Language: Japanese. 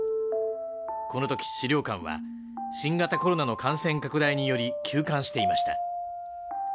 この時資料館は新型コロナの感染拡大により休館していました